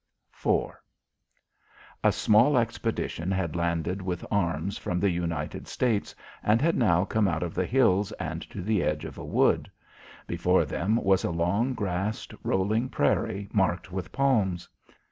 IV A small expedition had landed with arms from the United States, and had now come out of the hills and to the edge of a wood. Before them was a long grassed rolling prairie marked with palms.